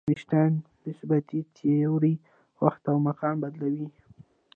د آینشټاین نسبیتي تیوري وخت او مکان بدلوي.